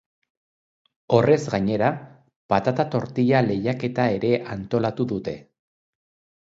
Horrez gainera, patata tortilla lehiaketa ere antolatu dute.